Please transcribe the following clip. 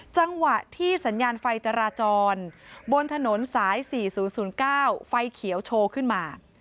จังหวะที่สัญญาณไฟจราจรบนถนนสาย๔๐๐๙ไฟเขียวโชว์ขึ้นมา